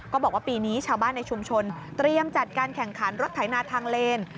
บอกว่าปีนี้ชาวบ้านในชุมชนเตรียมจัดการแข่งขันรถไถนาทางเลน